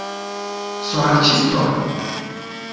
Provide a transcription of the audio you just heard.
Sorĉistoj?